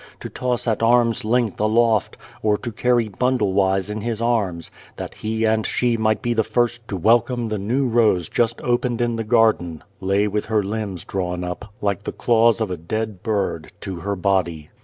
to toss at arm's length aloft, or to carry bundle wise in his arms, that he and she might be the first to welcome the new rose just opened in the garden, lay with her limbs drawn up like the claws of a dead bird to her body.